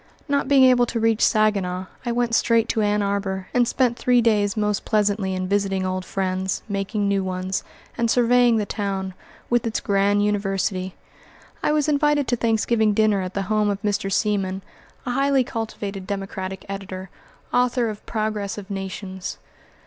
Not being able to reach Saginaw, I went straight to Ann Arbor, and spent three days most pleasantly in visiting old friends, making new ones, and surveying the town, with its grand University. I was invited to Thanksgiving dinner at the home of Mr. Seaman, a highly cultivated Democratic editor, author of "Progress of Nations."